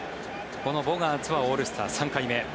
このボガーツはオールスター３回目。